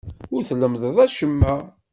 Ur tlemmdeḍ acemma.